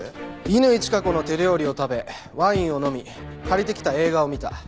「乾チカ子の手料理を食べワインを飲み借りてきた映画を見た。